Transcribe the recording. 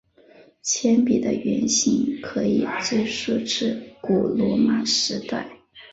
铅笔的原型可以追溯至古罗马时代。